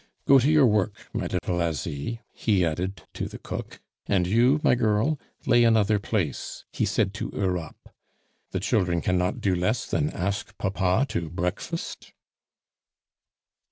Go to your work, my little Asie," he added to the cook. "And you, my girl, lay another place," he said to Europe; "the children cannot do less than ask papa to breakfast."